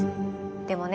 でもね